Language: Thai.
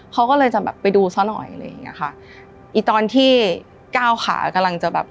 เขาก็เลยจะแบบไปดูซะหน่อยอะไรอย่างเงี้ยค่ะอีตอนที่ก้าวขากำลังจะแบบ